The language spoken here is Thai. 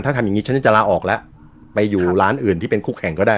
ถ้าทำอย่างนี้ฉันจะลาออกแล้วไปอยู่ร้านอื่นที่เป็นคู่แข่งก็ได้